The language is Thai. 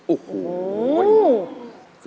โอ้โห